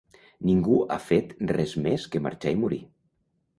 Ningú ha fet res més que marxar i morir.